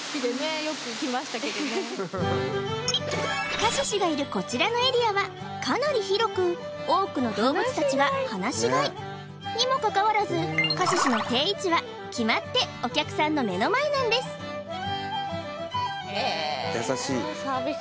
カシシがいるこちらのエリアはかなり広く多くの動物たちが放し飼いにもかかわらずカシシの定位置は決まってお客さんの目の前なんですへえサービス